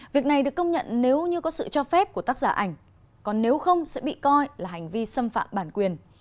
việc này được công nhận nếu như có sự cho phép của tác giả ảnh còn nếu không sẽ bị coi là hành vi xâm phạm bản quyền